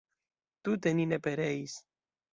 Tute ni ne pereis!